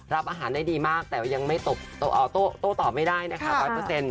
รับอาหารได้ดีมากแต่ยังไม่ตบโต้ตอบไม่ได้นะคะ๑๐๐